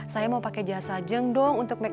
saya mau pakai jasa jeng dong untuk memeriksa